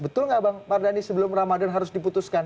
betul nggak bang mardhani sebelum ramadan harus diputuskan